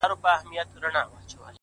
هغې ويل ته خو ضرر نه دی په کار’